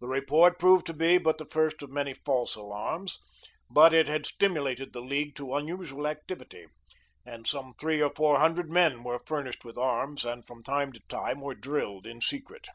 The report proved to be but the first of many false alarms, but it had stimulated the League to unusual activity, and some three or four hundred men were furnished with arms and from time to time were drilled in secret.